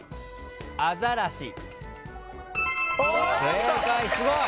正解すごい！